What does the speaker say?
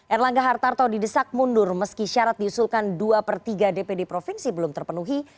erlangga hartarto didesak mundur meski syarat diusulkan dua per tiga dpd provinsi belum terpenuhi